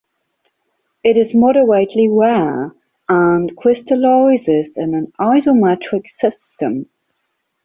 It is moderately rare and crystallizes in an isometric system.